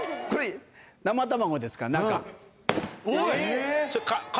これ生卵ですから中。